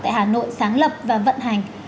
tại hà nội sáng lập và vận hành